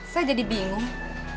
saya jadi bingung